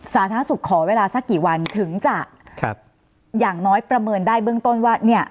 สาธารณสุขขอเวลาสักกี่วันถึงจะครับอย่างน้อยประเมินได้เบื้องต้นว่าเนี่ย